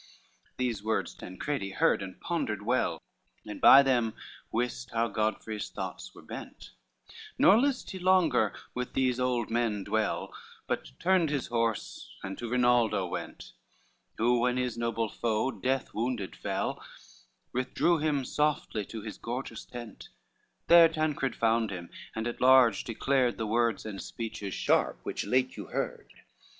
XL These words Tancredi heard and pondered well, And by them wist how Godfrey's thoughts were bent, Nor list he longer with these old men dwell, But turned his horse and to Rinaldo went, Who, when his noble foe death wounded fell, Withdrew him softly to his gorgeous tent; There Tancred found him, and at large declared The words and speeches sharp which late you heard.